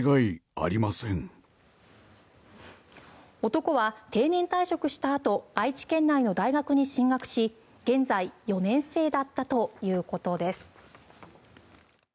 男は定年退職したあと愛知県内の大学に進学し現在４年生だったということです。